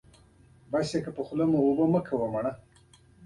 له شګې، چونې او سمنټو له مسالې څخه جوړ پوټکی یا قشر دی.